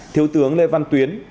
thiếu tướng lê văn tuyến